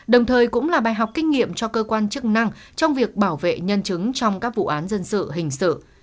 đồng thời cũng là bài học kinh nghiệm cho cơ quan chức năng trong việc bảo vệ nhân chứng trong các vụ án dân sự hình sự